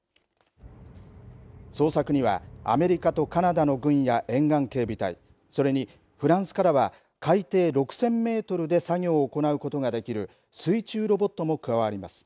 捜索にはアメリカとカナダの軍や沿岸警備隊それにフランスからは海底６０００メートルで作業を行うことができる水中ロボットも加わります。